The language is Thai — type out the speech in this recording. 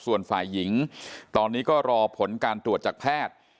ส่วนฝ่ายหญิงตอนนี้ก็รอผลการตรวจจากแพทย์